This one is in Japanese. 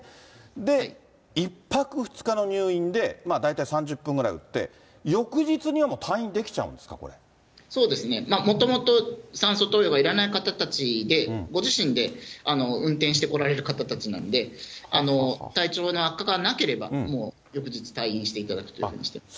で、１泊２日の入院で、大体３０分間ぐらい打って、翌日にはもう退院できちゃうんですか、そうですね、もともと酸素投与がいらない方たちで、ご自身で運転してこられる方たちなんで、体調の悪化がなければ、もう翌日退院していただくということにしています。